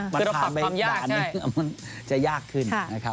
มันพาไปด้านนี้จะยากขึ้น